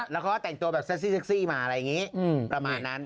แล้วเขาก็แต่งตัวแบบเซ็กซี่เซ็กซี่มาอะไรอย่างนี้ประมาณนั้น